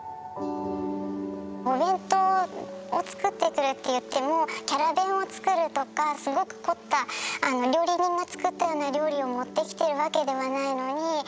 お弁当を作ってくるっていってもキャラ弁を作るとかすごく凝った料理人が作ったような料理を持ってきてるわけではないのに。